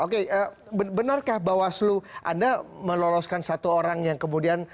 oke benarkah bawaslu anda meloloskan satu orang yang kemudian